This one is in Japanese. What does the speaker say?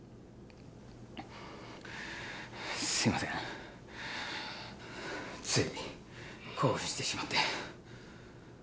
すみません、つい興奮してしまって。